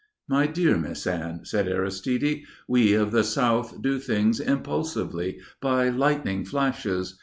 "My dear Miss Anne," said Aristide, "we of the South do things impulsively, by lightning flashes.